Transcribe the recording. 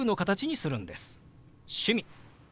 「趣味」。